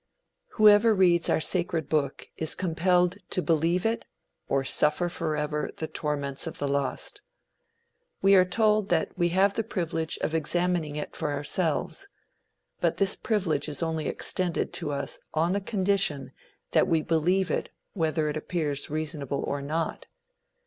Whoever reads our sacred book is compelled to believe it or suffer forever the torments of the lost. We are told that we have the privilege of examining it for ourselves; but this privilege is only extended to us on the condition that we believe it whether it appears reasonable or not.